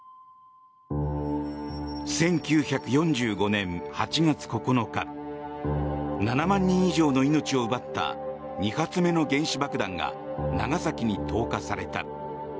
１９４５年８月９日７万人以上の命を奪った２発目の原子爆弾が長崎に投下された。